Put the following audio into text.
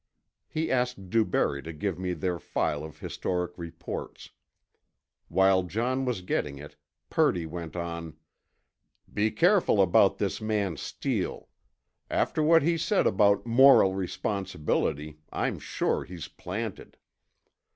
He asked DuBarry to give me their file of historic reports. While John was getting it, Purdy went on: "Be careful about this man Steele. After what he said about 'moral responsibility' I'm sure he's planted."